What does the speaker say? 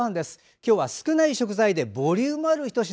今日は少ない食材でボリュームあるひと品。